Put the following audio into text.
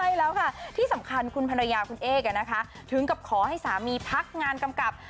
ใช่แล้วค่ะที่สำคัญคุณภรรยาคุณเอกถึงกับขอให้สามีพักงานกำกับ